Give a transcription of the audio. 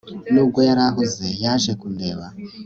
nubwo yari ahuze, yaje kundeba